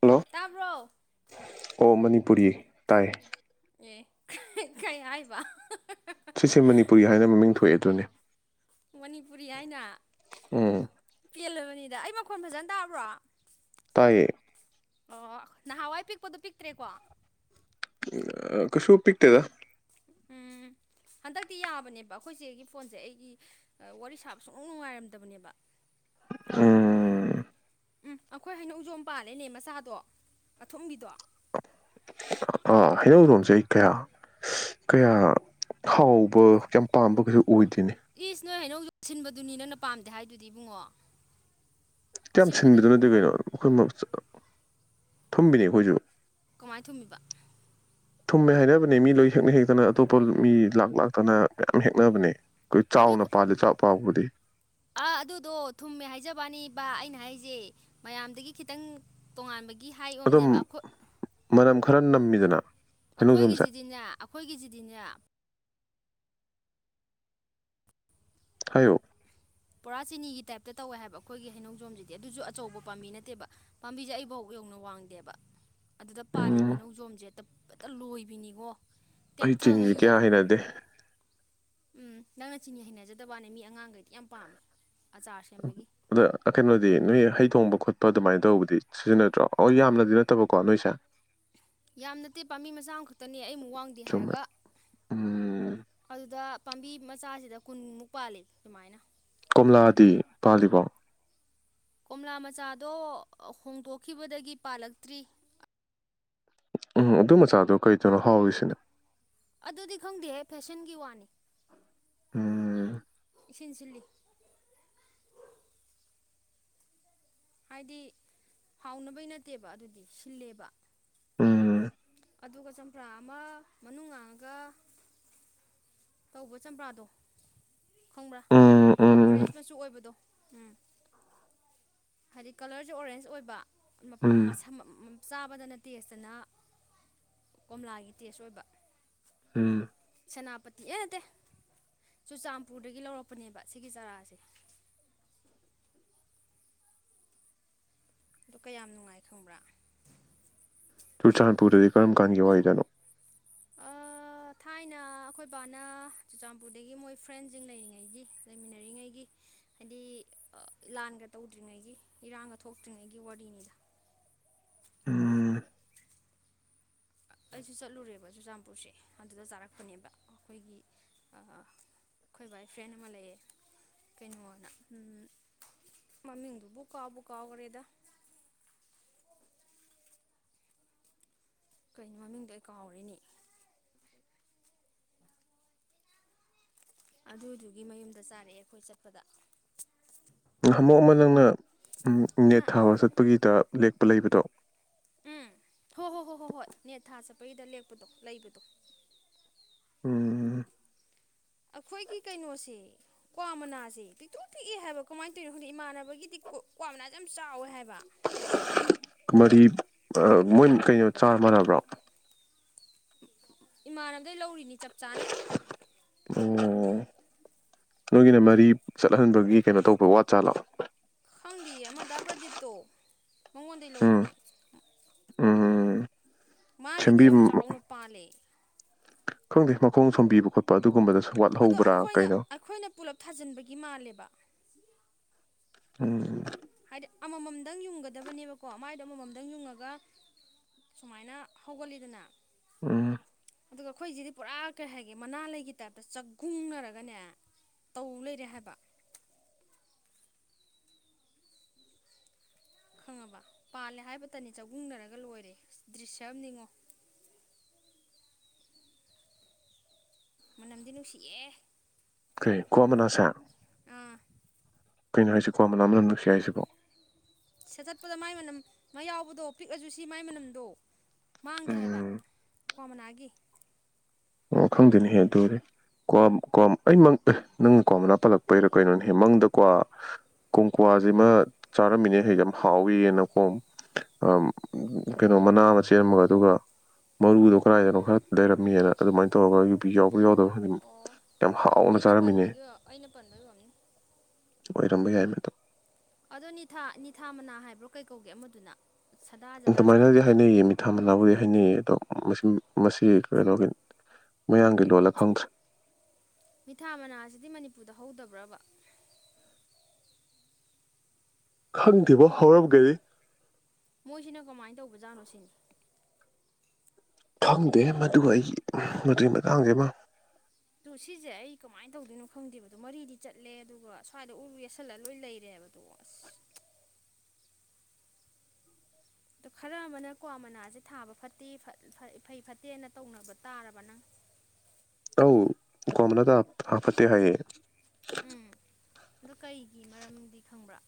hello ꯇꯥꯕ꯭ꯔꯣ ꯑꯣ ꯃꯅꯤꯄꯨꯔꯤ ꯇꯥꯏ ꯑꯦ ꯀꯩ ꯀꯩ ꯍꯥꯏꯕ ꯍ ꯍ ꯁꯤꯁꯦ ꯃꯅꯤꯄꯨꯔꯤ ꯍꯥꯏꯅ ꯃꯃꯤꯡ ꯊꯣꯛꯑꯦ ꯑꯗꯨꯅꯦ ꯃꯅꯤꯄꯨꯔꯤ ꯍꯥꯏꯅ ꯎꯝ ꯄꯦꯜꯂꯕꯅꯤꯗ ꯑꯩ ꯃꯈꯣꯟ ꯐꯖꯅ ꯇꯥꯕ꯭ꯔꯣ ꯇꯥꯏꯌꯦ ꯑꯣ ꯅꯍꯥꯟꯋꯥꯏ ꯄꯤꯛꯄꯗꯣ ꯄꯤꯛꯇ꯭ꯔꯦꯀꯣ ꯀꯩꯁꯨ ꯄꯤꯛ ꯇꯦꯗ ꯎꯝ ꯍꯟꯗꯛꯇꯤ ꯌꯥꯕꯅꯦꯕ ꯑꯩꯈꯣꯏ ꯆꯦꯒꯤ ꯐꯣꯟꯁꯦ ꯑꯩꯒꯤ ꯋꯥꯔꯤ ꯁꯥꯕ ꯁꯨꯛꯅꯨꯡ ꯅꯨꯡꯉꯥꯏꯔꯝꯗꯕꯅꯦꯕ ꯎꯝ ꯎꯝ ꯑꯩꯈꯣꯏ ꯍꯩꯅꯧ ꯖꯣꯝ ꯄꯥꯜꯂꯦꯅꯦ ꯃꯆꯥꯗꯣ ꯑꯊꯨꯝꯕꯤꯗꯣ ꯍꯩꯅꯧꯖꯣꯝꯁꯦ ꯑꯩ ꯀꯌꯥ ꯀꯌꯥ ꯍꯥꯎꯕ ꯌꯥꯝ ꯄꯥꯝꯕ ꯀꯩꯁꯨ ꯑꯣꯏꯗꯦꯅꯦ ꯏꯁ ꯅꯣꯏ ꯍꯩꯅꯧ ꯖꯣꯝ ꯑꯁꯤꯟꯕꯗꯨꯅꯤ ꯅꯪꯅ ꯄꯥꯝꯗꯦ ꯍꯥꯏꯗꯨꯗꯤ ꯏꯕꯨꯡꯉꯣ ꯀ꯭ꯌꯥꯝ ꯁꯤꯟꯕꯗꯨ ꯑꯁꯤꯟꯕꯗꯨꯗꯤ ꯅꯠꯇꯦ ꯀꯩꯅꯣ ꯑꯩꯈꯣꯏ [unintelligible] ꯊꯨꯝꯕꯤꯅꯤ ꯑꯩꯈꯣꯏꯁꯨ ꯀꯃꯥꯏ ꯊꯨꯝꯃꯤꯕ ꯊꯨꯝꯃꯦ ꯍꯥꯏꯅꯕꯅꯦ ꯃꯤ ꯂꯣꯏ ꯍꯦꯛꯅ ꯍꯦꯛꯇꯅ ꯑꯇꯣꯞꯄ ꯃꯤ ꯂꯥꯛ ꯂꯥꯛꯇꯅ ꯃꯌꯥꯝ ꯍꯦꯛꯅꯕꯅꯦ ꯈꯣꯏ ꯑꯗꯨꯏ ꯆꯥꯎꯅ ꯄꯥꯜꯂꯦ ꯆꯥꯛ ꯄꯥꯎꯕꯨꯗꯤ ꯑꯥ ꯑꯗꯨꯗꯣ ꯊꯨꯝꯃꯦ ꯍꯥꯏꯖꯕꯋꯥꯅꯤꯕ ꯑꯩꯅ ꯍꯥꯏꯁꯦ ꯃꯌꯥꯝꯗꯒꯤ ꯈꯤꯇꯪ ꯇꯣꯉꯥꯟꯕꯒꯤ ꯒꯤ ꯍꯥꯏ ꯑꯗꯨꯝ ꯑꯣꯝꯅꯦꯕ ꯑꯈꯣꯏ ꯃꯅꯝ ꯈꯔ ꯅꯝꯃꯤꯗꯅ ꯍꯩꯅꯧꯖꯝꯁꯦ ꯑꯩꯈꯣꯏꯒꯤꯁꯤꯗꯤꯅꯦ ꯑꯩꯈꯣꯏꯒꯤꯖꯤꯗꯤꯅꯦ ꯍꯥꯏꯌꯣ ꯄꯨꯔꯥ ꯆꯤꯅꯤꯒꯤ ꯇꯥꯏꯞꯇ ꯇꯧꯋꯦ ꯍꯥꯏꯕ ꯑꯩꯈꯣꯏꯒꯤ ꯍꯩꯅꯧꯖꯣꯝꯁꯤꯗꯤ ꯑꯗꯨꯁꯨ ꯑꯆꯧꯕ ꯄꯥꯝꯕꯤ ꯅꯠꯇꯦꯕ ꯄꯥꯝꯕꯤꯁꯦ ꯑꯩꯕꯥꯎ ꯌꯧꯅ ꯋꯥꯡꯗꯦꯕ ꯑꯗꯨꯗ ꯄꯥꯜꯂꯤꯕ ꯎꯝ ꯍꯩꯅꯧꯖꯣꯝꯁꯦ ꯇ ꯍꯦꯛꯇ ꯂꯣꯏꯕꯤꯅꯤꯉꯣ ꯑꯩ ꯆꯤꯟꯁꯦ ꯇꯦꯛꯊꯉꯩ ꯀ꯭ꯌꯥ ꯌꯥꯟꯕꯤꯅꯤ ꯍꯩꯅꯗꯦ ꯎꯝ ꯅꯪꯅ ꯆꯤꯅꯤ ꯍꯩꯅꯖꯗꯕꯋꯥꯅꯦ ꯃꯤ ꯑꯉꯥꯡꯈꯩꯗꯤ ꯌꯥꯝ ꯄꯥꯝꯃꯦ ꯑꯆꯥꯔ ꯁꯦꯝꯕꯒꯤ ꯑꯗ ꯀꯩꯅꯣꯗꯤ ꯅꯣꯏ ꯍꯩ ꯊꯣꯡꯕ ꯈꯣꯠ ꯄ ꯗꯨꯃꯥꯏꯅ ꯇꯧꯕꯗꯤ ꯁꯤꯖꯤꯟꯅꯗ꯭ꯔꯣ ꯑꯣ ꯌꯥꯝꯅꯗꯤ ꯅꯠꯇꯕꯀꯣ ꯅꯣꯏꯁꯦ ꯌꯥꯝ ꯅꯠꯇꯦ ꯄꯥꯝꯕꯤ ꯃꯆꯥ ꯑꯝꯈꯛꯇꯅꯦ ꯑꯩꯃꯨꯛ ꯋꯥꯡꯗꯦ ꯆꯨꯝꯃꯦ ꯍꯥꯏꯔꯒ ꯎꯝ ꯑꯗꯨꯗ ꯄꯥꯝꯕꯤ ꯃꯆꯥꯁꯤꯗ ꯀꯨꯟꯃꯨꯛ ꯄꯥꯜꯂꯦ ꯗꯨꯃꯥꯏꯅ ꯂꯥꯗꯤ ꯄꯥꯜꯂꯤꯕꯣ ꯀꯣꯝꯂꯥ ꯃꯆꯥꯗꯣ ꯍꯣꯡꯗꯣꯛꯈꯤꯕꯗꯒꯤ ꯄꯥꯜꯂꯛꯇ꯭ꯔꯤ ꯎꯝ ꯑꯗꯨ ꯃꯆꯥꯗꯣ ꯀꯔꯤꯇꯅꯣ ꯍꯥꯎꯔꯤꯁꯤꯅ ꯑꯗꯨꯗꯤ ꯈꯪꯗꯦꯍꯦ ꯐꯦꯁꯟꯒꯤ ꯋꯥꯅꯤ ꯎꯝ ꯏꯁꯤꯟ ꯁꯤꯜꯂꯤ ꯍꯥꯏꯗꯤ ꯍꯥꯎꯅꯕꯩ ꯅꯠꯇꯦꯕ ꯑꯗꯨꯗꯤ ꯁꯤꯜꯂꯦꯕ ꯎꯝ ꯑꯗꯨꯒ ꯆꯝꯄ꯭ꯔꯥ ꯑꯃ ꯃꯅꯨꯡ ꯉꯥꯡꯉꯒ ꯇꯧꯕ ꯆꯝꯄ꯭ꯔꯥꯗꯣ ꯈꯪꯕ꯭ꯔꯥ ꯎꯝ ꯎꯝ ꯑꯣꯔꯦꯟꯖ ꯃꯆꯨ ꯑꯣꯏꯕꯗꯣ ꯎꯝ ꯍꯥꯏꯗꯤ ꯀꯂꯔꯁꯨ ꯑꯣꯔꯦꯟꯖ ꯑꯣꯏꯕ ꯃ ꯎꯝ ꯃꯁꯝ ꯃ ꯆꯥꯕꯗꯅ ꯇꯦꯁꯇꯅ ꯀꯣꯝꯂꯥꯒꯤ ꯇꯦꯁ ꯑꯣꯏꯕ ꯎꯝ ꯁꯦꯅꯥꯄꯇꯤ ꯑꯦ ꯅꯠꯇꯦ ꯆꯨꯔꯆꯥꯟꯄꯨꯔꯗꯒꯤ ꯂꯧꯔꯛꯄꯅꯦꯕ ꯁꯤꯒꯤ ꯆꯥꯔꯥꯁꯦ ꯗꯨ ꯀꯌꯥꯝ ꯅꯨꯡꯉꯥꯏ ꯈꯪꯕ꯭ꯔꯥ ꯆꯨꯔꯆꯥꯟꯄꯨꯔꯗꯗꯤ ꯀꯔꯝ ꯀꯥꯟꯒꯤ ꯋꯥꯔꯤꯗꯅꯣ ꯑ ꯊꯥꯏꯅ ꯑꯩꯈꯣꯏ ꯕꯥꯅ ꯆꯨꯔꯆꯥꯟꯄꯨꯔꯗꯒꯤ ꯃꯣꯏ ꯐ꯭ꯔꯦꯟꯁꯤꯡ ꯂꯩꯔꯤꯉꯩꯒꯤ ꯂꯩꯃꯤꯟꯅꯔꯤꯉꯩꯒꯤ ꯍꯥꯏꯗꯤ ꯂꯥꯟꯒ ꯇꯧꯗ꯭ꯔꯤꯉꯩꯒꯤ ꯏꯔꯥꯡꯒ ꯊꯣꯛꯇ꯭ꯔꯤꯉꯩꯒꯤ ꯋꯥꯔꯤꯅꯤꯗ ꯎꯝ ꯑꯩꯁꯨ ꯆꯠꯂꯨꯔꯦꯕ ꯆꯨꯔꯆꯥꯟꯄꯨꯔꯁꯦ ꯑꯗꯨꯗ ꯆꯥꯔꯛꯄꯅꯦꯕ ꯑꯩꯈꯣꯏꯒꯤ ꯑꯥ ꯑꯩꯈꯣꯏ ꯕꯥꯏ ꯐ꯭ꯔꯦꯟ ꯑꯃ ꯂꯩꯌꯦ ꯀꯩꯅꯣꯅ ꯎꯃ ꯃꯃꯤꯡꯗꯨꯕꯨ ꯀꯥꯎ ꯕꯨ ꯀꯥꯎꯒꯔꯦꯗ [inaudible] ꯀꯩꯅꯣ ꯃꯃꯤꯡꯗꯣ ꯑꯩ ꯀꯥꯎꯔꯤꯅꯤ ꯑꯗꯨꯗꯨꯒꯤ ꯃꯌꯨꯝꯗ ꯆꯥꯔꯛꯑꯦ ꯑꯩꯈꯣꯏ ꯆꯠꯄꯗ ꯅꯍꯟꯃꯨꯛ ꯑꯃ ꯅꯪꯅ ꯅꯦꯠ ꯍꯥ ꯊꯥꯕ ꯆꯠꯄꯒꯤꯗ ꯂꯦꯛꯄ ꯂꯩꯕꯗꯣ ꯎꯝ ꯍꯣ ꯍꯣ ꯍꯣꯏ ꯍꯣꯏ ꯍꯣꯏ ꯅꯦꯠ ꯊꯥ ꯆꯠꯄꯒꯤꯗ ꯂꯦꯛꯄꯗꯣ ꯂꯩꯕꯗꯣ ꯎꯝ ꯑꯩꯈꯣꯏꯒꯤ ꯀꯩꯅꯣꯁꯦ ꯀ꯭ꯋꯥ ꯃꯅꯥꯁꯦ ꯄꯤꯛꯇꯨꯛ ꯄꯤꯛꯏ ꯍꯥꯏꯕ ꯀꯃꯥꯏꯅ ꯇꯧꯔꯤꯅꯣ ꯈꯡꯗꯦ ꯏꯃꯥꯟꯅꯕꯒꯤꯗꯤ ꯀꯣ ꯀ꯭ꯋꯥ ꯌꯥꯝ ꯆꯥꯎꯋꯦ ꯍꯥꯏ ꯃꯔꯤ ꯃꯣꯏ ꯀꯩꯅꯣ ꯆꯥꯔ ꯃꯥꯟꯅꯕ꯭ꯔꯣ ꯏꯃꯥꯟꯅꯕꯗꯩ ꯂꯧꯔꯤꯅꯤ ꯆꯞ ꯆꯥꯅ ꯑꯣ ꯅꯣꯏꯒꯤꯅ ꯃꯔꯤ ꯆꯠꯍꯟꯕꯒꯤ ꯀꯩꯅꯣ ꯇꯧꯕ ꯋꯥꯠ ꯆꯥꯠꯂꯥ ꯈꯪꯗꯤꯌꯦ ꯑꯃ ꯗ ꯄ꯭ꯔꯗꯤꯞꯇꯣ ꯃꯉꯣꯟꯗꯩ ꯎꯝ ꯂꯧꯕꯅꯦ ꯎꯝ ꯃꯥꯒꯤꯗꯤ ꯁꯦꯝꯕꯤ ꯌꯥꯝ ꯆꯥꯎꯅ ꯄꯥꯜꯂꯦ ꯈꯪꯗꯦ ꯃꯈꯣꯡ ꯁꯣꯝꯕꯤꯕ ꯈꯣꯠꯄ ꯑꯗꯨꯒꯨꯝꯕꯗ ꯑꯗꯣ ꯑꯩꯈꯣꯏꯅ ꯑꯩꯈꯣꯏꯅ ꯄꯨꯂꯞ ꯊꯥꯖꯤꯟꯕꯒꯤ ꯃꯥꯜꯂꯦꯕ ꯎꯝ ꯍꯥꯏꯗꯤ ꯑꯃꯃꯝꯗꯪ ꯌꯨꯡꯉꯒꯗꯕꯅꯦꯕꯀꯣ ꯃꯥꯏꯗꯣ ꯑꯃꯃꯝꯗꯪ ꯌꯨꯡꯉꯒ ꯁꯨꯃꯥꯏꯅ ꯍꯧꯒꯠꯂꯤꯗꯅ ꯎꯝ ꯑꯗꯨꯒ ꯑꯩꯈꯣꯏꯁꯤꯗꯤ ꯄꯨꯔꯥ ꯀꯩ ꯍꯥꯏꯒꯦ ꯃꯅꯥ ꯂꯩꯒꯤ ꯇꯥꯞꯇ ꯆꯥꯛꯒꯨꯡꯅꯔꯒꯅꯦ ꯇꯧ ꯂꯩꯔꯦ ꯍꯥꯏꯕ [inaudible] ꯈꯪꯉꯕ ꯄꯥꯜꯂꯦ ꯍꯥꯏꯕꯇꯅꯤ ꯆꯒꯨꯡꯅꯔꯒ ꯂꯣꯏꯔꯦ ꯗ꯭ꯔꯤꯁ ꯑꯃꯅꯤ ꯉꯣ [inaudible] ꯃꯅꯝꯗꯤ ꯅꯨꯡꯁꯤꯌꯦ ꯀꯩ ꯀ꯭ꯋꯥ ꯃꯅꯥꯁꯦ ꯑꯥ ꯀꯩꯅꯣ ꯍꯥꯏꯁꯤ ꯀ꯭ꯋꯥ ꯃꯅꯥ ꯃꯅꯝ ꯅꯨꯡꯁꯤ ꯍꯥꯏꯁꯤꯕꯣ ꯁꯦꯇꯠꯄꯗ ꯃꯥꯏ ꯃꯅꯝ ꯃꯥ ꯌꯥꯎꯕꯗꯣ ꯄꯤꯛꯑꯁꯨ ꯁꯤ ꯃꯥꯏ ꯃꯅꯝꯗꯣ ꯃꯥꯡꯗꯦ ꯍꯥꯏꯕ ꯎꯝ ꯀ꯭ꯋꯥ ꯃꯅꯥꯒꯤ ꯑꯣ ꯈꯪꯗꯦꯅꯦꯍꯦ ꯑꯗꯨꯨꯗꯤ ꯀ꯭ꯋꯥꯝ ꯀ꯭ꯋꯥꯝ ꯑꯩ ꯃꯪꯇꯦ ꯅꯪ ꯀ꯭ꯋꯥ ꯃꯅꯥ ꯄꯜꯂꯛꯄꯩꯔ ꯀꯩꯅꯣꯅꯦꯍꯦ ꯃꯪꯗ ꯀ꯭ꯋꯥ ꯀꯣꯡꯀ꯭ꯋꯥꯁꯤꯃ ꯆꯥꯔꯝꯃꯤꯅꯦ ꯍꯦꯟꯅ ꯌꯥꯝ ꯍꯥꯎꯏꯅꯀꯣꯝ ꯑꯝ ꯀꯩꯅꯣ ꯃꯅꯥ ꯃꯆꯦꯠ ꯑꯃꯒ ꯑꯗꯨꯒ ꯃꯔꯨꯗꯣ ꯀꯗꯥꯏꯗꯅꯣ ꯈꯔ ꯂꯩꯔꯝꯃꯦꯅ ꯑꯗꯨꯃꯥꯏꯅ ꯇꯧꯔꯒ ꯌꯨꯕꯤ ꯌꯥꯎꯕꯔꯥ ꯌꯥꯎꯗꯕꯔꯥ ꯑꯣ ꯑꯩꯅ ꯄꯟꯕꯒꯤ ꯑꯩꯅ ꯄꯟꯕꯒꯤ ꯑꯣꯏꯔꯝꯅꯤ [unintelligible] ꯇꯝꯕ ꯌꯥꯏ ꯃꯗꯣ ꯑꯗꯣ ꯅꯤꯊꯥ ꯅꯤꯊꯥ ꯃꯅꯥ ꯍꯥꯏꯕ꯭ꯔꯣ ꯀꯩ ꯀꯧꯒꯦ ꯑꯃꯗꯨꯅ ꯁꯗꯥ ꯖꯗꯥ ꯑꯗꯨꯃꯥꯏꯅꯗꯤ ꯆꯥꯅꯕꯗꯣ ꯍꯥꯏꯅꯩꯌꯦ ꯃꯤꯊꯥ ꯃꯅꯥ ꯕꯨꯗꯤ ꯍꯥꯏꯅꯩꯌꯦ ꯑꯗꯣ ꯃꯁꯤ ꯃꯁꯤ ꯀꯩꯅꯣꯒꯤ ꯃꯌꯥꯡꯒꯤ ꯂꯣꯜꯂ ꯈꯪꯗ꯭ꯔꯦ ꯃꯤꯊꯥ ꯃꯅꯥꯁꯤꯗꯤ ꯃꯅꯤꯄꯨꯔꯗ ꯍꯧꯗꯕ꯭ꯔꯕ ꯈꯪꯗꯦꯕꯣ ꯍꯧꯔꯝꯒꯅꯤ ꯃꯣꯏꯖꯤꯅ ꯀꯃꯥꯏ ꯇꯧꯕꯖꯥꯠꯅꯣ ꯁꯤꯅꯤ ꯈꯪꯗꯦꯍꯦ ꯃꯗꯨ ꯑꯩ ꯃꯗꯨꯒꯤ ꯃꯇꯥꯡꯖꯤ ꯑꯃ ꯇꯨ ꯁꯤꯁꯦ ꯑꯩ ꯀꯃꯥꯏ ꯇꯧꯗꯣꯏꯅꯣ ꯈꯪꯗꯦꯕꯗꯣ ꯃꯔꯤꯗꯤ ꯆꯠꯂꯦ ꯑꯗꯨꯒ ꯁ꯭ꯋꯥꯏꯗ ꯎꯔꯨ ꯌꯦꯠꯁꯜꯂꯒ ꯂꯣꯏ ꯂꯩꯔꯦ [inaudible] ꯗꯨ ꯈꯔ ꯑꯃꯅ ꯀ꯭ꯋꯥ ꯃꯅꯥꯁꯦ ꯊꯥꯕ ꯐꯠꯇꯦ ꯐꯠ-ꯐ-ꯐꯩ ꯐꯠꯇꯦꯅ ꯇꯧꯅꯕ ꯇꯥꯔꯕ ꯅꯪ ꯑꯧ [unintelligible] ꯊꯥ ꯐꯠꯇꯦ ꯍꯥꯏꯌꯦ ꯑꯗꯨ ꯀꯩꯒꯤ ꯃꯔꯝꯗꯤ ꯈꯪꯕ꯭ꯔꯥ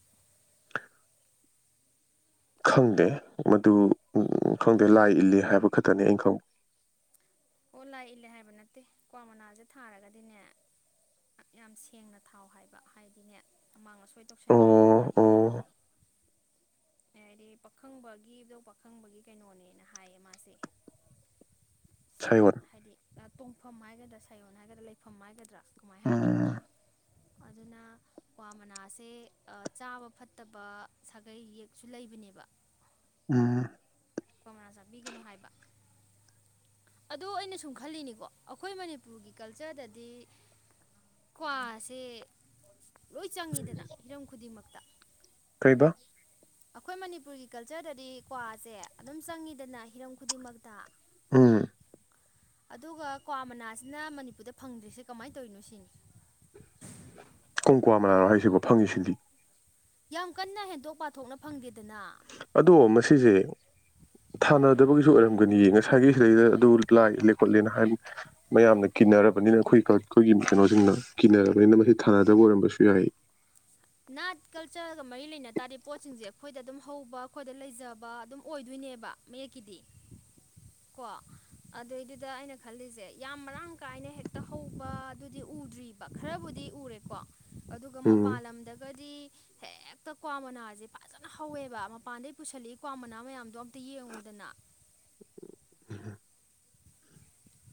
ꯈꯪꯗꯦ ꯃꯗꯨ ꯈꯪꯗꯦ ꯂꯥꯏ ꯏꯜꯂꯤ ꯍꯥꯏꯕ ꯈꯛꯇꯅꯤ ꯑꯩꯅ ꯈꯪꯕ [inaudible] ꯑꯣ ꯂꯥꯏ ꯏꯜꯂꯦ ꯍꯥꯏꯕ ꯅꯠꯇꯦ ꯀ꯭ꯋꯥ ꯃꯅꯥꯁꯦ ꯊꯥꯔꯒꯗꯤꯅꯦ ꯌꯥꯝ ꯁꯦꯡꯅ ꯊꯥꯎ ꯍꯥꯏꯕ ꯍꯥꯏꯗꯤꯅꯦ ꯑꯃꯥꯡ ꯑꯁꯣꯏ ꯇꯧꯁꯟꯕꯤꯒꯅꯨ ꯑꯣ ꯍꯥꯏꯕ [inaudible] ꯑꯦꯗꯤ ꯄꯥꯈꯪꯕꯒꯤ ꯏꯕꯨꯗꯧ ꯄꯥꯈꯪꯕꯒꯤ ꯀꯩꯅꯣꯅꯦꯅ ꯍꯥꯏꯌꯦ ꯃꯥꯁꯦ [inaudible] ꯁꯩꯌꯣꯟ ꯑ ꯇꯣꯡꯐꯝ ꯍꯥꯏꯒꯗ꯭ꯔꯥ ꯁꯩꯌꯣꯟ ꯍꯥꯏꯒꯗ꯭ꯔꯥ ꯂꯩꯐꯝ ꯍꯥꯏꯒꯗ꯭ꯔꯥ ꯀꯃꯥꯏ ꯍꯥꯏꯅꯤ ꯎꯝ ꯑꯗꯨꯅ ꯀ꯭ꯋꯥ ꯃꯅꯥꯁꯦ ꯆꯥꯕ ꯐꯠꯇꯕ ꯁꯥꯒꯩ ꯌꯦꯛꯁꯨ ꯂꯩ ꯂꯩꯕꯅꯦꯕ ꯎꯝ ꯀ꯭ꯋꯥ ꯃꯅꯥ ꯆꯥꯕꯤꯒꯅꯨ ꯍꯥꯏꯕ ꯑꯗꯣ ꯑꯩꯅ ꯁꯨꯝ ꯈꯜꯂꯤꯅꯤꯀꯣ ꯑꯈꯣꯏ ꯃꯅꯤꯄꯨꯔꯒꯤ ꯀꯜꯆꯔꯗꯗꯤ ꯀ꯭ꯋꯥꯁꯦ ꯂꯣꯏ ꯆꯪꯉꯤꯗꯅ ꯍꯤꯔꯝ ꯈꯨꯗꯤꯡꯃꯛꯇ ꯀꯩꯕ ꯑꯈꯣꯏ ꯃꯅꯤꯄꯨꯔꯒꯤ ꯀꯜꯆꯔꯗꯗꯤ ꯀ꯭ꯋꯥꯁꯦ ꯑꯗꯨꯝ ꯆꯪꯉꯤꯗꯅ ꯍꯤꯔꯝ ꯈꯨꯗꯤꯡꯃꯛꯇ ꯎꯝ ꯑꯗꯨꯒ ꯀ꯭ꯋꯥ ꯃꯅꯥꯁꯤꯅ ꯃꯅꯤꯄꯨꯔꯗ ꯐꯪꯗ꯭ꯔꯤꯁꯦ ꯀꯃꯥꯏ ꯇꯧꯋꯤꯅꯣ ꯁꯤꯅꯤ ꯀꯣꯡꯀ꯭ꯋꯥ ꯃꯅꯥꯔꯣ ꯍꯥꯏꯁꯤꯕꯨ ꯐꯪꯉꯤꯁꯤꯗꯤ ꯌꯥꯝ ꯀꯟꯅ ꯍꯦꯟꯗꯣꯛ ꯄꯥꯊꯣꯛꯅ ꯐꯪꯗꯦ ꯑꯗꯣ ꯃꯁꯤꯁꯦ ꯊꯥꯅꯗꯕꯒꯤ ꯁꯨ ꯑꯣꯏꯔꯝꯒꯅꯤꯌꯦ ꯉꯁꯥꯏꯒꯤ ꯁꯤꯗꯩꯗ ꯑꯗꯨ ꯂꯥꯏ ꯏꯜꯂꯦ ꯈꯣꯠꯂꯦꯅ ꯍꯥꯏ ꯃꯌꯥꯝꯅ ꯀꯤꯅꯔꯕꯅꯤꯅ ꯑꯩꯈꯣꯏ ꯀꯜ ꯈꯣꯏꯒꯤ ꯀꯩꯅꯣꯁꯤꯡꯅ ꯀꯤꯅꯔꯕꯅꯤꯅ ꯃꯁꯤ ꯊꯥꯅꯗꯕ ꯑꯣꯏꯔꯝꯕꯁꯨ ꯌꯥꯏ ꯅꯥꯠ ꯀꯜꯆꯔꯒ ꯃꯔꯤ ꯂꯩꯅ ꯇꯥꯗꯤ ꯄꯣꯠꯁꯤꯡꯁꯦ ꯑꯩꯈꯣꯏꯗ ꯑꯗꯨꯝ ꯍꯧꯕ ꯑꯩꯈꯣꯏꯗ ꯂꯩꯖꯕ ꯑꯗꯨꯝ ꯑꯣꯏꯗꯣꯏ ꯅꯦꯕ ꯃꯌꯦꯛꯀꯤꯗꯤ ꯀꯣ ꯑꯗꯨꯏꯗꯨꯗ ꯑꯩꯅ ꯈꯜꯂꯤꯁꯦ ꯌꯥꯝ ꯃꯔꯥꯡ ꯀꯥꯏꯅ ꯍꯦꯛꯇ ꯍꯧꯕꯗꯨꯗꯤ ꯎꯗ꯭ꯔꯤꯕ ꯈꯔꯕꯨ ꯇꯤ ꯎꯔꯦꯀꯣ ꯑꯗꯨꯒ ꯃꯄꯥꯟ ꯎꯝ ꯂꯝ [inaudible] ꯍꯦꯛꯇ ꯀ꯭ꯋꯥ ꯃꯅꯥꯁꯦ ꯐꯖꯅ ꯍꯧꯋꯦꯕ ꯃꯄꯥꯟꯗꯩ ꯄꯨꯁꯜꯂꯛꯏ ꯀ꯭ꯋꯥ ꯃꯅꯥ ꯃꯌꯥꯝꯗꯣ ꯑꯝꯇ ꯌꯦꯡꯉꯨꯗꯅ [inaudible]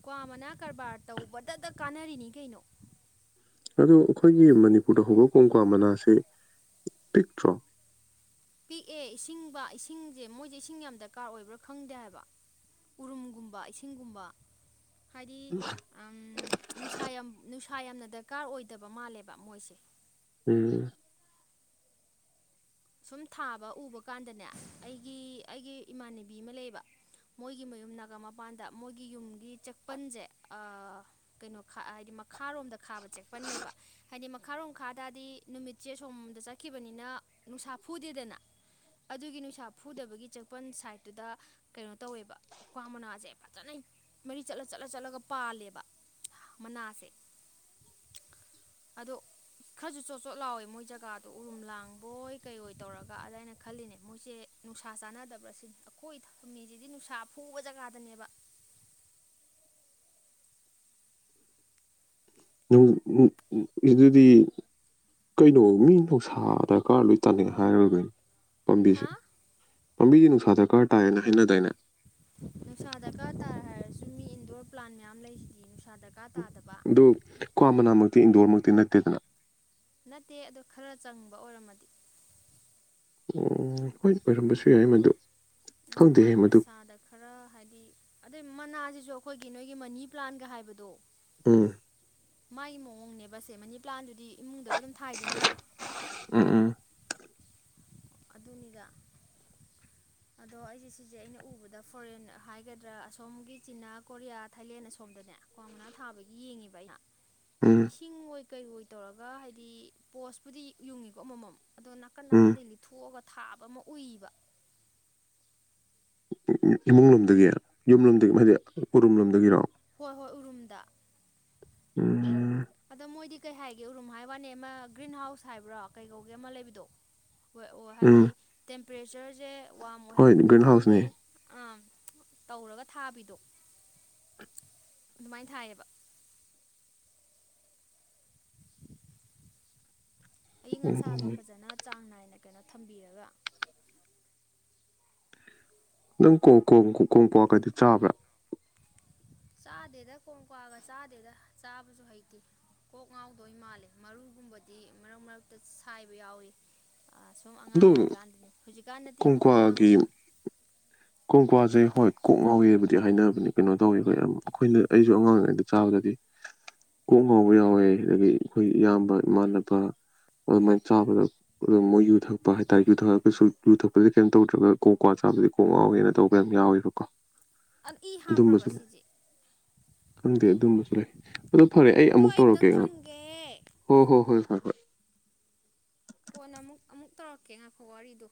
ꯀ꯭ꯋꯥ ꯃꯅꯥ ꯀꯔꯕꯥꯔ ꯇꯧꯕꯗꯇ ꯀꯥꯟꯅꯔꯤꯅꯤ ꯀꯩꯅꯣ ꯑꯗꯨ ꯑꯩꯈꯣꯏꯒꯤ ꯃꯅꯤꯄꯨꯔꯗ ꯍꯧꯕ ꯀꯣꯡꯀ꯭ꯋꯥ ꯃꯅꯥꯁꯦ ꯄꯤꯛꯇ꯭ꯔꯣ ꯄꯤꯛꯑꯦ ꯏꯁꯤꯡꯕ ꯏꯁꯤꯡꯁꯦ ꯃꯣꯏꯁꯦ ꯏꯁꯤꯡ ꯌꯥꯝ ꯗꯔꯀꯥꯔ ꯑꯣꯏꯕ꯭ꯔꯥ ꯈꯪꯗꯦ ꯍꯥꯏꯕ ꯎꯔꯨꯝꯒꯨꯝꯕ ꯏꯁꯤꯡꯒꯨꯝꯕ ꯍꯥꯏꯗꯤ ꯑꯝ ꯅꯨꯡꯁꯥ ꯌꯥꯝ ꯅꯨꯡ ꯁꯥ ꯌꯥꯝꯅ ꯗꯔꯀꯥꯔ ꯑꯣꯏꯗꯕ ꯃꯥꯜꯂꯦꯕ ꯃꯣꯏꯁꯦ ꯎꯝ ꯁꯨꯝ ꯊꯥꯕ ꯎꯕ ꯀꯥꯟꯗꯅꯦ ꯑꯩꯒꯤ ꯑꯩꯒꯤ ꯏꯃꯥꯟꯅꯕꯤ ꯑꯃ ꯂꯩꯕ ꯃꯣꯏꯒꯤ ꯃꯌꯨꯝ ꯅꯥꯒꯥꯃꯄꯥꯟꯗ ꯃꯣꯏꯒꯤ ꯌꯨꯝꯒꯤ ꯆꯦꯛꯄꯟꯖꯦ ꯑꯥ ꯀꯩꯅꯣ ꯈꯥ ꯑꯥ ꯍꯥꯏꯗꯤ ꯃꯈꯥꯔꯣꯝꯗ ꯈꯥꯕ ꯆꯦꯛꯄꯅꯦꯕ ꯍꯥꯏꯗꯤ ꯃꯈꯥꯔꯣꯝ ꯈꯥ ꯇꯥꯔꯗꯤ ꯅꯨꯃꯤꯠꯁꯦ ꯁꯣꯝꯗ ꯆꯠꯈꯤꯕꯅꯤꯅ ꯅꯨꯡꯁꯥ ꯐꯨꯗꯦꯗꯅ ꯑꯗꯨꯒꯤ ꯅꯨꯡꯁꯥ ꯐꯨꯗꯕꯒꯤ ꯆꯦꯛꯄꯟ ꯁꯥꯏꯗꯠ ꯇꯨꯗ ꯀꯩꯅꯣ ꯇꯧꯋꯦꯕ ꯀ꯭ꯋꯥ ꯃꯅꯥꯁꯦ ꯐꯖꯟꯅ ꯃꯔꯤ ꯆꯠꯂ ꯆꯠꯂ ꯆꯠꯂꯒ ꯄꯥꯜꯂꯦꯕ ꯃꯅꯥꯁꯦ ꯑꯗꯣ ꯈꯔꯁꯨ ꯆꯣꯠ ꯆꯣꯠ ꯂꯥꯎꯋꯦ ꯃꯣꯏ ꯖꯒꯥꯗꯣ ꯎꯔꯨꯝ ꯂꯥꯡꯕꯣꯏ ꯀꯩ ꯑꯣꯏ ꯇꯧꯔꯒ ꯑꯗ ꯑꯩꯅ ꯈꯜꯂꯤꯅꯦ ꯃꯣꯏꯁꯦ ꯅꯨꯡꯁꯥ ꯆꯥꯟꯅꯗꯕ꯭ꯔꯥ ꯁꯤꯅꯤ ꯑꯈꯣꯏ ꯊꯃꯤꯁꯤꯗꯤ ꯅꯨꯡꯁꯥ ꯐꯨ ꯕ ꯖꯒꯥꯗꯅꯦꯕ [inaudible] [unintelligible] ꯑꯗꯨꯗꯤ ꯀꯩꯅꯣ ꯃꯤ ꯅꯨꯡꯁꯥ ꯗ꯭ꯔꯀꯥꯔ ꯂꯣꯏ ꯇꯅꯩ ꯍꯥꯏꯔꯒ ꯄꯥꯝꯕꯤꯁꯦ ꯍꯥ ꯄꯥꯝꯕꯤ ꯅꯨꯡꯁꯥ ꯗ꯭ꯔꯀꯥ꯭ꯔ ꯇꯥꯏꯌꯦꯅ ꯍꯥꯏꯅꯗꯥꯏꯅꯦ ꯅꯨꯡꯁꯥ ꯗ꯭ꯔꯀꯥ꯭ꯔ ꯇꯥꯏ ꯍꯥꯏꯔꯁꯨ ꯃꯤ ꯏꯟꯗꯣ꯭ꯔ ꯄ꯭ꯂꯥꯟ ꯃꯌꯥꯝ ꯂꯩꯁꯤꯗꯤ ꯗꯔꯀꯥꯔ ꯇꯥꯗꯕ ꯑꯗꯨ ꯀ꯭ꯋꯥ ꯃꯅꯥꯃꯛꯇꯤ ꯏꯟꯗꯣ꯭ꯔꯃꯛꯇꯤ ꯅꯠꯇꯦꯗꯅ ꯅꯠꯇꯦ ꯑꯗꯨ ꯈ꯭ꯔ ꯆꯪꯕ ꯑꯣꯏꯔꯝꯃꯗꯤ ꯎꯝ ꯍꯣꯏ ꯑꯣꯏꯔꯝꯕꯁꯨ ꯌꯥꯏ ꯃꯗꯨ ꯎꯝ ꯃꯥꯏ ꯈꯪꯗꯦꯍꯦ ꯃꯗꯨ ꯃꯁꯥꯗ ꯈꯔ ꯍꯥꯏꯗꯤ ꯑꯗꯩ ꯃꯅꯥꯁꯤ ꯑꯗꯣ ꯑꯩꯈꯣꯏꯒꯤ ꯅꯣꯏꯒꯤ ꯃꯅꯤ ꯄ꯭ꯂꯥꯟꯒ ꯍꯥꯏꯕꯗꯣ ꯎꯝ ꯃꯥꯏ ꯃꯑꯣꯡꯅꯦꯕ ꯑꯁꯦ ꯃꯅꯤ ꯄ꯭ꯂꯥꯟꯗꯨꯗꯤ ꯏꯃꯨꯡꯗꯒ ꯑꯗꯨꯝ ꯊꯥꯏꯗꯅ ꯎꯝ ꯎꯝ ꯑꯗꯨꯅꯤꯗ [inaudible] ꯑꯗꯣ ꯑꯩꯖꯦ ꯁꯤꯖꯦ ꯑꯩꯅ ꯎꯕꯗ ꯐꯣꯔꯦꯟ ꯍꯥꯏꯒꯗ꯭ꯔꯥ ꯑꯁꯣꯝꯒꯤ ꯆꯤꯅꯥ ꯀꯣꯔꯤꯌꯥ ꯊꯥꯏꯂꯦꯟ ꯑꯁꯣꯝꯗꯅꯦ ꯀ꯭ꯋꯥ ꯃꯅꯥ ꯊꯥꯕꯒꯤ ꯌꯦꯡꯉꯦꯕ ꯑꯩꯅ ꯎꯝ ꯏꯁꯤꯡ ꯑꯣꯏ ꯀꯩ ꯑꯣꯏ ꯇꯧꯔꯒ ꯍꯥꯏꯗꯤ ꯄꯣꯁꯄꯨꯗꯤ ꯌꯨꯡꯉꯤꯀꯣ ꯑꯃꯃꯝ ꯑꯗꯣ ꯅꯥꯀꯟ ꯎꯝ ꯅꯥꯀꯟꯗꯩ ꯂꯤꯠꯊꯣꯛꯑꯒ ꯊꯥꯕ ꯑꯃ ꯎꯏꯕ ꯎ ꯎ ꯎ ꯏꯃꯨꯡ ꯂꯣꯝꯗꯒꯤ ꯌꯨꯝ ꯂꯣꯝꯗꯒꯤ ꯍꯥꯏꯗꯤ ꯎꯔꯨꯝ ꯂꯣꯝꯗꯒꯤꯔꯣ ꯍꯣꯏ ꯍꯣꯏ ꯎꯔꯨꯝꯗ ꯎꯝꯝ ꯑꯗꯣ ꯃꯣꯏꯗꯤ ꯀꯩ ꯍꯥꯏꯒꯦ ꯎꯔꯨꯝ ꯍꯥꯏꯋꯥꯅꯤ ꯑꯃ ꯒ꯭ꯔꯤꯟ ꯍꯥꯎꯁ ꯍꯥꯏꯕ꯭ꯔꯥ ꯀꯩꯀꯧꯒꯦ ꯑꯃ ꯂꯩꯕꯗꯣ ꯍꯣꯏ ꯑꯣ ꯍꯥꯏꯗꯤ ꯎꯝ ꯇꯦꯝꯄ꯭ꯔꯦꯆ꯭ꯔꯁꯦ ꯋꯥꯔꯝ ꯍꯣꯏ ꯑꯣꯏꯍꯟꯕꯅꯤ ꯒ꯭ꯔꯤꯟ ꯈꯪꯗꯦ ꯍꯥꯎꯁꯅꯦ ꯑꯥꯝ ꯇꯧꯔꯒ ꯊꯥꯕꯤꯗꯣ ꯑꯗꯨꯃꯥꯏ ꯊꯥꯏꯌꯦꯕ ꯑꯏꯪ ꯎꯝ ꯑꯁꯥꯗꯣ ꯎꯝ ꯐꯖꯟꯅ ꯆꯥꯡ ꯅꯥꯏꯅ ꯀꯅꯣ ꯊꯝꯕꯤꯔꯒ ꯅꯪ ꯀꯣꯡ ꯀꯣꯡ ꯀꯣꯡ ꯀꯣꯡ ꯀ꯭ꯋꯥ ꯀꯥꯏꯗꯤ ꯆꯥꯕ꯭ꯔꯥ ꯆꯥꯗꯦꯗ ꯀꯣꯡꯀ꯭ꯋꯥꯒ ꯆꯥꯗꯦꯗ ꯆꯥꯕꯁꯨ ꯍꯩꯇꯦ ꯀꯣꯛ ꯉꯥꯎꯗꯣꯏ ꯃꯥꯜꯂꯦ ꯃꯔꯨꯒꯨꯝꯕꯗꯤ ꯃꯔꯛ ꯃꯔꯛꯇ ꯁꯥꯏꯕ ꯌꯥꯎꯏ ꯑꯥ ꯁꯨꯝ ꯑꯉꯥꯡ ꯑꯗꯣ ꯑꯣꯏꯔꯤꯀꯥꯟꯗꯅꯦ ꯍꯧꯖꯤꯛꯀꯥꯟ ꯅꯠꯇꯦꯀꯣ ꯑꯉꯥꯡ ꯑꯣꯏꯔꯤ ꯀꯣꯡꯀ꯭ꯋꯥꯒꯤ ꯀꯥ ꯀꯣꯡꯀ꯭ꯋꯥꯁꯦ ꯍꯣꯏ ꯀꯣꯛ ꯉꯥꯎꯋꯦꯕꯨꯗꯤ ꯍꯥꯏꯅꯕꯅꯦ ꯀꯩꯅꯣ ꯇꯧꯋꯤ ꯑꯣꯏ ꯑ ꯑꯈꯣꯏꯅ ꯑꯩꯁꯨ ꯑꯉꯥꯡ ꯑꯣꯏꯉꯥꯏꯗ ꯆꯥꯕꯗ ꯀꯣꯛ ꯉꯥꯎꯕ ꯌꯥꯎꯋꯦ ꯑꯗꯤ ꯑꯈꯣꯏ ꯏꯌꯥꯝꯕ ꯏꯃꯥꯟꯅꯕ ꯍꯣꯏ ꯎꯝ ꯑꯃꯥꯏ ꯆꯥꯕꯗ ꯑꯗꯣ ꯃꯣꯏ ꯌꯨ ꯊꯛꯄ ꯍꯥꯏꯇꯥꯔꯦ ꯌꯨ ꯊꯛꯑꯁꯨ ꯌꯨ ꯊꯛꯄꯗꯤ ꯀꯩꯝ ꯇꯧꯗ꯭ꯔꯒ ꯀꯣꯡ ꯀ꯭ꯋꯥ ꯆꯥꯕꯗꯤ ꯀꯣꯡ ꯉꯥꯎꯒꯦꯅ ꯇꯧꯕ ꯌꯥꯝ ꯌꯥꯎꯋꯦꯕꯀꯣ ꯑꯥ ꯏ ꯍꯥꯥꯞꯄ꯭ꯔꯕ ꯑꯗꯨꯝꯕꯁꯨ ꯁꯤꯖꯦ ꯈꯪꯗꯦ ꯑꯗꯨꯝꯕꯁꯨ ꯂꯩ ꯑꯗꯣ ꯐꯔꯦ ꯑꯩ ꯑꯗꯣ ꯑꯃꯨꯛ ꯇꯧꯔꯛꯀꯦ ꯑꯝꯇꯪ ꯉꯥꯛ ꯊꯝꯒꯦ ꯍꯣ ꯍꯣꯏ ꯍꯣꯏ ꯐꯔꯦ ꯐꯔꯦ ꯀꯣꯟꯅ ꯑꯃꯨꯛ ꯑꯃꯨꯛ ꯇꯧꯔꯛꯀꯦ ꯉꯥꯏꯈꯣ ꯋꯥꯔꯤꯗꯨ